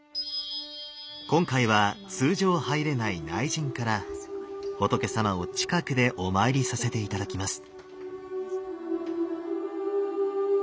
今回は通常入れない内陣から仏様を近くでお参りさせて頂きます。